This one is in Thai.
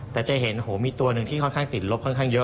แต่จะเห็นโอ้โหมีตัวหนึ่งที่ค่อนข้างติดลบค่อนข้างเยอะ